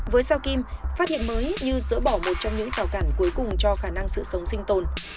với sao kim phát hiện mới như dỡ bỏ một trong những rào cản cuối cùng cho khả năng sự sống sinh tồn